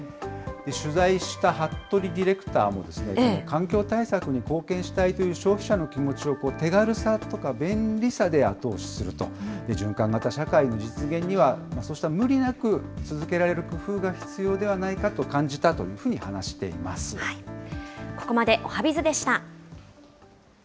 取材した服部ディレクターも、環境対策に貢献したいという消費者の気持ちを手軽さとか便利さで後押しすると、循環型社会の実現には、そうした無理なく続けられる工夫が必要ではないかと感じたというふうに話ここまでおはＢｉｚでした。